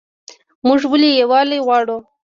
موږ ولې یووالی غواړو؟